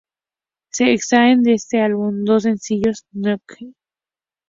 Se extraen de este álbum dos sencillos, "Nothing to Lose", y "I Love You".